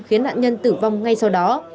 khiến nạn nhân tử vong ngay sau đó